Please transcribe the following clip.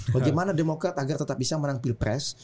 bagaimana demokrat agar tetap bisa menang pilpres